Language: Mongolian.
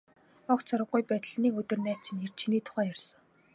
Огт сураггүй байтал нэг өдөр найз чинь ирж, чиний тухай ярьсан.